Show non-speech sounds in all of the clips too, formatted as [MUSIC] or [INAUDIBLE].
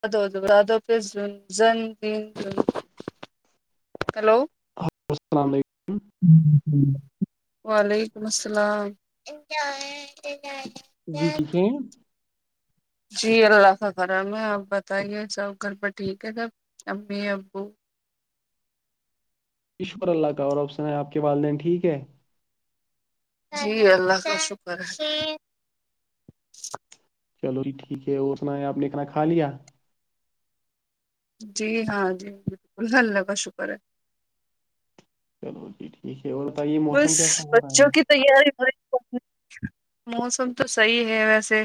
پ [UNINTELLIGIBLE] hello hello السلام علیکم وعلیکم السلام ان کیا جی ٹھیک ہے جی اللہ کا خرم ہے آپ بتائیے سب گھر پہ ٹھیک ہے سب امی ابو شکر اللہ کا اور آپشن ہے آپ کے والدین ٹھیک ہے جی اللہ کا شکر ہے چلو ج ٹھیک ہے اور اسنا آپ نے کنا کھا لیا جی ہاں جی بالکل اللہ کا شکر ہے چلو جی ٹھیک ہے اور بتائیے موسم کیسا ہو رہا ہے تو یہ موسم تو صحیح ہے ویسے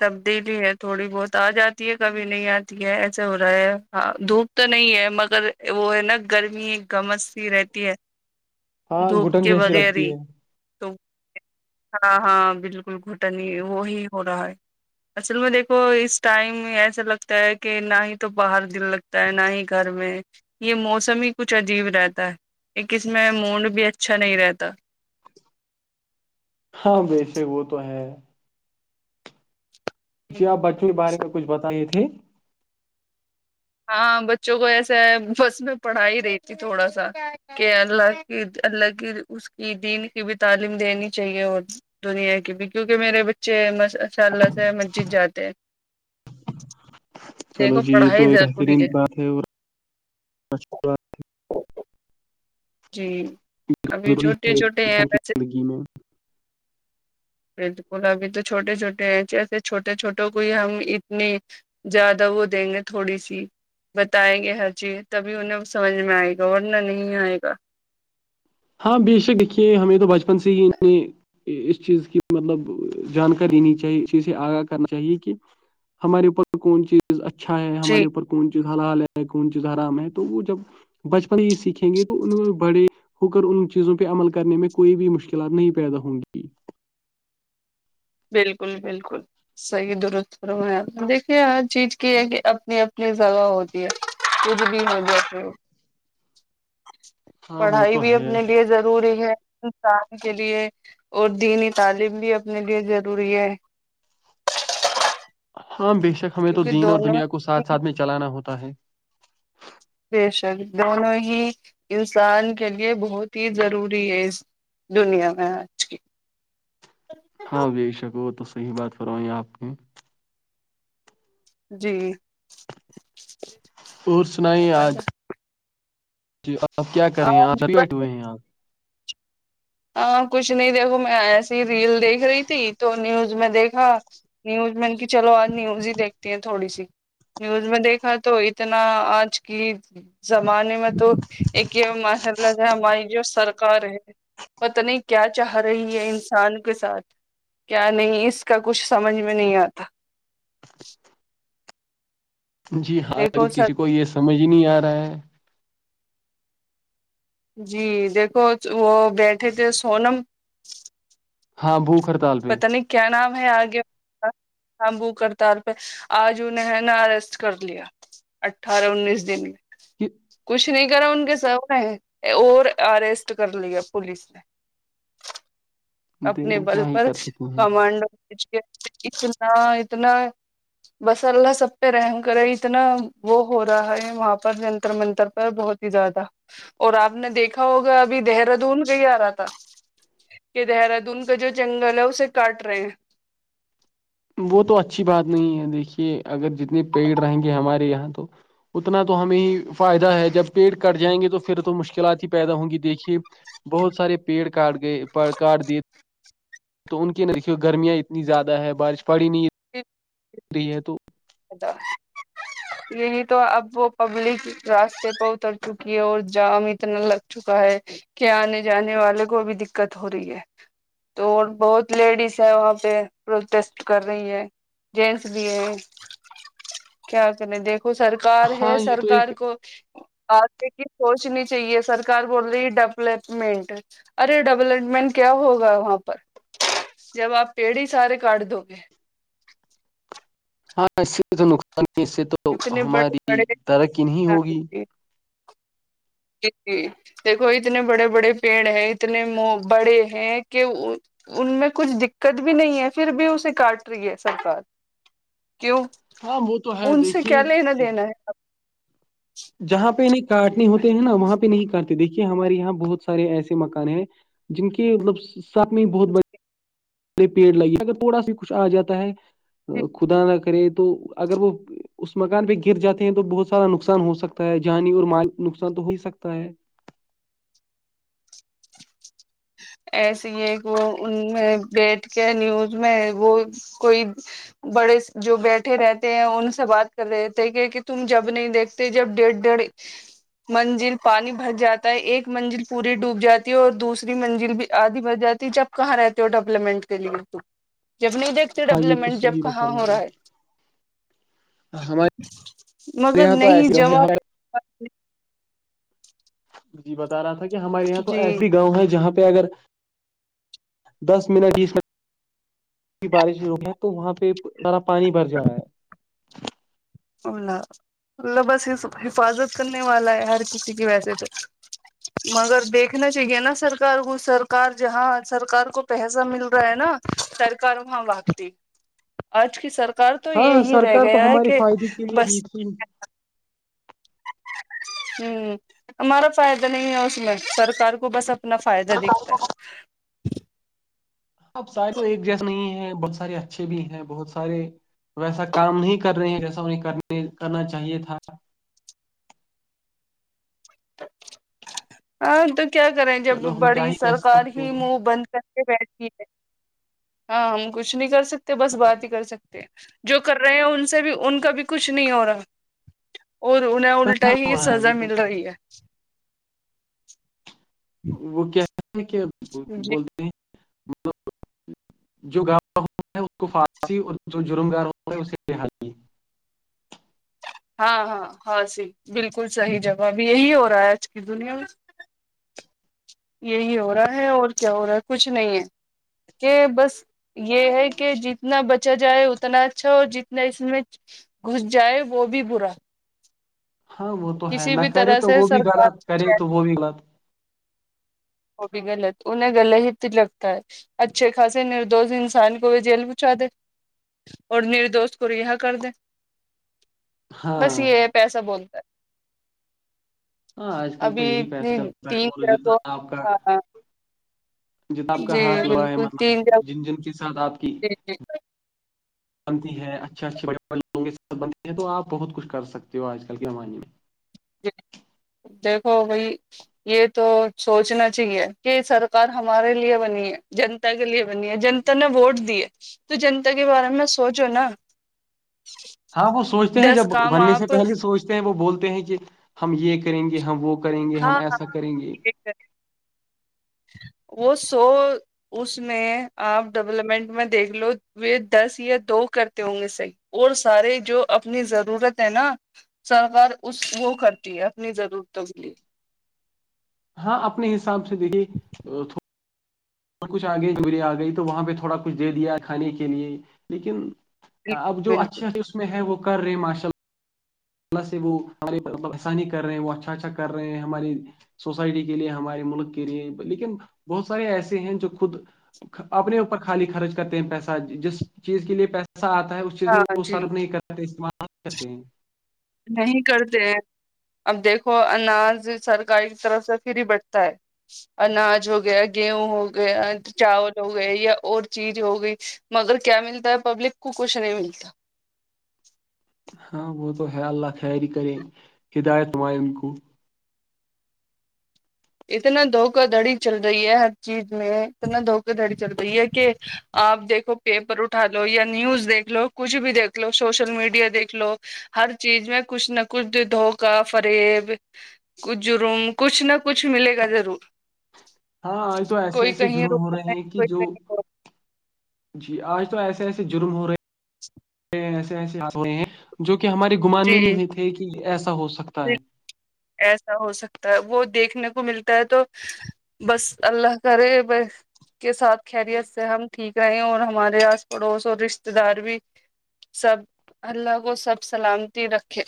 تبدیلی ہے تھوڑی بہت آ جاتی ہے کبھی نہیں آتی ہے ایسے ہو رہا ہے ہاں دھوپ تو نہیں ہے مگر وہ ہے نا گرمی ایک گمج سی رہتی ہے ہاں دھوپ گھٹن کے جیسی بغیر ہی لگتی ہے تو ہاں ہاں بالکل گھٹ نہیں وہی ہو رہا ہے اصل میں دیکھو اس ٹائم ایسا لگتا ہے کہ نہ ہی تو باہر دل لگتا ہوتا ہے نہ ہی گھر میں یہ موسم ہی کچھ عجیب رہتا ہے ایک اس میں مونڈ بھی اچھا نہیں رہتا ہاں ویسے وہ تو ہے جی آپ بچوں کے بارے میں کچھ بتائیے تھے ہاں بچوں کو ایسا ہے بس میں پڑھائی ہی رہی ت تھوڑا سا کہ اللہ کی اللہ کی اس کی دین کی بھی تعلیم دینی چاہیے اور دنیا کی بھی کیونکہ میرے بچےاء اللہ سے مسجد جاتے ہیں چلو دیکھو جی یہ تو پڑھائی ضروری بہترین بات ہے اور جی ابھی ضروری چھوٹے ہے ایک چھوٹے ہیں انسان کی ویسے زندگی میں بالکل ابھی تو چھوٹے چھوٹے ہیں جیسے چھوٹے چھوٹوں کوئی ہم اتنی زیادہ وہ دیں گے تھوڑی سی بتائیں گے ہر چیز تبھی انہیں سمجھ میں آئے گا ورنہ نہیں آئے گا ہاں بے شک دیکھیے ہمیں تو بچپن سے ہی اس چیز کی مطلب جانکاریینی چاہیے اس چیز سے آگاہ کرنا چاہیے کہ ہمارے اوپر کون چیز اچھا ہے جی ہمارے اوپر کون چیز ہلال ہے کون چیز ہرام ہے تو وہ جب بچپن ہی سیکھیں گے تو انوں بڑے ہو کر ان چیزوں پہ عمل کرنے میں کوئی بھی مشکلات نہیں پیدا ہوں گی بالکل بالکل صحیح درستوں میں دیکھیے ہر چیز کی ہے کہ اپنی اپنی جگہ ہوتی ہے کود بھی ہو جیسے ہاں وہ پڑھائی تو بھی ہے اپنے لیے ضروری ہے انسان کے لیے اور دینی تعلیم بھی اپنے لیے ضروری ہے ہاں بےشک ہمیں تو کیونکہ دین اور دونوں دنیا کو ساتھ ساتھ میں چلانا ہوتا ہے [UNINTELLIGIBLE] بےشک دونوں ہی انسان کے لیے بہت ہی ضروری ہے دنیا میں کی ہاں بےشک وہ تو صحیح بات فرمائی آپ کی جی اور سنائی آج جی آپ کیا کر رہے ہیں آ آپ بیٹ بس ہوئے ہیں آپ ہاں کچھ نہیں دیکھو میں ایسی ریل دیکھ رہی تھی تو نیوز میں دیکھا نیوز میں نے کی چلو آج نیوز ہی دیکھتی ہیں تھوڑی سی نیوز میں دیکھا تو اتنا آج کی زمانے میں تو ایک یہ ماشاء اللہ ج ہماری جو سرکار ہے پت نہیں کیا چاہ رہی ہے انسان کے ساتھ کیا نہیں اس کا کچھ سمجھ میں نہیں آتا جی ہاں تو دیکھو کسی سر کو یہ سمجھ ہی نہیں آ رہا ہے جی دیکھو وہ بیٹھے تھے سونم ہاں بو خر پت نہیں کیا نام ہے آگے تمبو کرتار پہ آج انہیں ہے نا اریسٹ کر لیا اٹھارہ انیس دن میں کچھ نہیں کرا ان کے س نے اور اریسٹ کر لیا پولیس نے اپنے دیکھو بل کیا ہی پر کر سکتے ہیں کمانڈو کے اتنا اتنا [INAUDIBLE] بس اللہ سب پہ رحم کرے اتنا وہ ہو رہا ہے وہاں پر جنتر منتر پر بہت زیادہ اور آپ نے دیکھا ہوگا ابھی دہرادون گ ہی آ رہا تھا کہ دہرادون کا جو جنگل ہے اسے کاٹ رہے ہیں وہ تو اچھی بات نہیں ہے دیکھیے اگر جتنے پیڑ رہیں گے ہمارے یہاں تو اتنا تو ہمیں ہی فائدہ ہے جب پیٹ کٹ جائیں گے تو پھر تو مشکلات ہی پیدا ہوں گی دیکھیے بہت سارے پیڑ کاٹ گئے کاٹ دی تو ان کی دیکھیے گرمیاں اتنی زیادہ ہے بارش پڑی نہیں ایک [INAUDIBLE] کرری ہے تو [INAUDIBLE] ا تو [INAUDIBLE] یہی تو اب وہ پبلک راستے پر اتر چکی ہے اور جام اتنا لگ چکا ہے کہ آنے جانے والے کو بھی دقت ہو رہی ہے تو بہت لیڈیز ہے وہاں پہ پروٹیسٹ کر رہی ہے جینٹس بھی ہیں کیا کریں دیکھو سرکار ہے ہاں یہ تو سرکار ایک کو آ کی سوچنی چاہیے سرکار بول رہی ہے ڈیولپمنٹ ارے ڈیولپمنٹ کیا ہوگا وہاں پر جب آپ پیڑ ہی سارے کاٹ دو گے ہاں اس سے تو نقصان اس سے تو اتنے بڑے ہماری ترقی نہیں ہوگی [INAUDIBLE] جی جی دیکھو اتنے بڑے بڑے پیڑ ہیں اتنے بڑے ہیں کہ ان میں کچھ دقت بھی نہیں ہے پھر بھی اسے کاٹ رہی ہے سرکار کیوں ہاں وہ تو ہے ان سے کیا دیکھیے لینا دینا ہے جہاں پہ انہیں کاٹنے ہوتے ہیں نا وہاں پہ نہیں کاٹتے دیکھیے ہمارے یہاں بہت سارے ایسے مکان ہیں جن کی مطلب سپ میں بہت بڑی پیڑ لگے اگر تھوڑا سا کچھ آ جاتا ہے خدا نہ کرے تو اگر وہ اس مکان پہ گر جاتے ہیں تو بہت سارا نقصان ہو سکتا ہے جانی اور مال نقصان تو ہو ہی سکتا ہے ایسے ہے کہ وہ ان میں بیھ کے نیوز میں وہ کوئی بڑے جو بیٹھے رہتے ہیں ان سے بات کر رہتے کہ کہ تم جب نہیں دیکھ ت جب ڈیھ ڈیھ [INAUDIBLE] منزل پانی بھر جاتا ہے ایک منزل پوری ڈوب جاتی ہے اور دوس منزل بھی آدھی بن جاتی جب کہاں رہتے ہو ڈیولپمنٹ کے لیے تو جب نہیں دیکھ ہاں یہ تو ڈیولپمنٹ جب صحیح بات کہاں ہو فرمائیے رہا ہے ہمارے مگر یہاں تو نہیں ایسے جواب جی بتا رہا تھا کہ ہمارے یہاں تو جی ایسی گاؤں ہے جہاں پہ اگر دس منٹ بیس من بارش رک ہے تو وہاں پہ برا پانی بھر جا رہا ہے الہ اللہ بس یہ حفاظت کرنے والا ہے ہر کسی کی ویسج مگر دیکھنا چاہیے نا سرکار کو سرکار جہاں سرکار کو پیسہ مل رہا ہے نا سرکار وہاں واقتی آج کی سرکار تو ہاں یہی رہ سرکار تو گیا ہے ہمارے کہ فائدے کے لیے بھی بس تھی ہوں ہمارا فائدہ نہیں ہے اس میں سرکار کو بس اپنا فائدہ دکھتا ہے اب سا تو ایک جیسا نہیں ہے بہت سارے اچھے بھی ہیں بہت سارے ویسا کام نہیں کر رہے ہیں جیسا انہیں کرنے کرنا چاہیے تھا ہاں تو کیا کریں جب چلو ہم کیا بڑی ہی کہہ سرکار سکتے ہی ہیں بن کر بیٹھی ہے ہاں ہم کچھ نہیں کر سکتے بس بات ہی کر سکتے جو کر رہے ہیں ان سے بھی ان کا بھی کچھ نہیں ہو رہا اور انہیں الٹا کہاں ہی ہو رہا ہے سزا وہ تو مل رہی ہے وہ کہتے ہیں کیا جی بولتے ہیں جو گا ہوا ہے اس فارسی اور جو جرم گا رہا ہوا ہے اسی ہاں ہاں ہاں صیح بالکل صحیح جگہ اب یہی ہو رہا ہے آج کی دنیا میں یہی ہو رہا ہے اور کیا ہو رہا ہے کچھ نہیں ہے کہ بس یہ ہے کہ جتنا بچا جائے اتنا اچھا اور جتنا اس میں گھس جائے وہ بھی برا ہاں وہ تو ہے کسی نہ بھی کرے طرح تو سے وہ بھی سرکار غلط کرے تو وہ بھی غلط وہ بھی غلط انہیں گغل ہی لگتا ہے اچھے خاصے نردوش انسان کو وہ جیل پہچا دے اور نیرے دوست کو رہا کر دیں ہاں بس یہ ہے پیسہ بولتا ہے ہاں آج کل تو ابھی یہی پیسہ اتنی چلتا ہے تین اور جگہ جتنا کو آپ کا ہاں جتنا آپ کا جی ہاتھ لگا ہے بالکل تین مطلب جار جن جن کے ساتھ آپ کی جی جی بنتی ہیں اچھے اچھے بڑےڑ لوگوں کے سھ بنتی ہیں تو آپ بہت کچھ کر سکتے ہو آج کل کے زمانے میں دیکھو بھائی یہ تو سوچنا چاہیے کہ سرکار ہمارے لیے بنی ہے جن کے لیے بنی ہے جنتا نے ووٹ دی ہے تو جنتا کے بارے میں سوچو نا ہاں وہ سوچتے ہیں دس جب کام بننے سے آپ پہلے سوچتے ہیں وہ بولتے ہیں کہ ہم یہ کریں گے ہم وہ کریں گے ہم ہاںاں ایسا کریں گے وہ سو اس میں آپ ڈیولپمنٹ میں دیکھ لو وہ دس یا دو کرتے ہوں گے صحیح اور سارے جو اپنی ضرورت ہے نا سرکار اس وہ کرتی ہے اپنی ضرورتوں کے لیے ہاں اپنے حساب سے دیکھیے تھا اور کچھ آ گئی آ گئی تو وہاں پہ تھوڑا کچھ دے دیا کھانے کے لیے لیکن اب جو بالکل اچھے اچ اس میں ہے وہ کر رہے ہیں ماشاء اللہ سے وہ ہم آسانی کر رہے ہیں وہ اچھا اچھا کر رہے ہیں ہماراری سوسائٹی کے لیے ہمارے ملک کے لیے لیکن بہت سارے ایسے ہیں جو خود اپنے اوپر خالی خرچ کرتے ہیں پیسہ جس چیز کے لیے پیسہ آتا ہے اس چیز میں ہاں وہ جی سرف نہیں کرتے استعمال کرتے ہیں نہیں کرتے اب دیکھو اناج سرکاری کی طرف سے پھر ہی بٹتا ہے اناج ہو گیا گیہوں ہو گیا چاول ہو گیا یا اور چیز ہو گئی مگر کیا ملتا ہے پبلک کو کچھ نہیں ملتا ہاں وہ تو ہے اللہ خی ہی کرے ہدایت مائ ان کو اتنا دھوکا دھڑی چل رہی ہے ہر چیز میں اتنا دھوکا دھڑی چل رہی ہے کہ آپ دیکھو پیپر اٹھا لو یا نیوز دیک لو کچھ بھی دیکھ لو سوشل میڈیا دیکھ لو ہر چیز میں کچھ نہ کچھ دھوکہ فریب کچھ جرم کچھ نہ کچھ کچھ ملے گا ضرور ہاں آ تو ایسے کوئی ایسے کہیں جرم رو ہو رہے رہا ہے ہیں کہ کوئی جو کہیں رو رہا جی آج تو ایسے ایسے جرم ہو رہے ہیں [INAUDIBLE] ایسے ایسے ہو ہیں جو کہ ہمارے گمان میں ہے۔ نہیں جی ہوئے تھے کہ ایسا ہو سکتا ہے ایسا ہو سکتا ہے وہ دیکھنے کو ملتا ہے تو بس اللہ کرے کے ساتھ خریت سے ہم ٹھیک رہے اور ہمارے آس پڑوس اور رشتے دار بھی سب اللہ کو سب سلامتی رکھے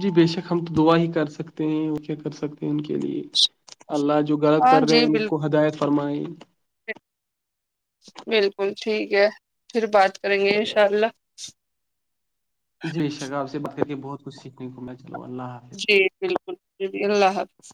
جی بےشک ہم تو دعا ہی کر سکتے ہیں اور کیا کر سکتے ہیں ان کے لیے اللہ جو غلط ہاں کر رہے جی ہیں ان کو بالکل ہدایت فرمائی بالکل ٹھیک ہے پھر بات کریں گے انشاء اللہ جی شگا آپ سے بات کر کے بہت کچھ سیکھنے کو میں چلو اللہ حافظ جی بالکل جی جی اللہ حافظ